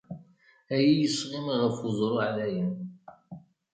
A iyi-isɣim ɣef uẓru ɛlayen.